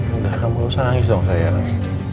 udah gak usah nangis dong sayang